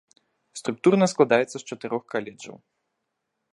Структурна складаецца з чатырох каледжаў.